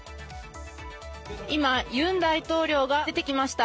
今、ユン大統領が出てきました。